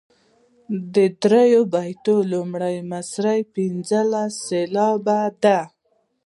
د دریم بیت لومړۍ مصرع پنځلس سېلابه ده.